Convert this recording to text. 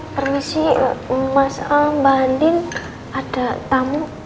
permisi mas alam mbak andin ada tamu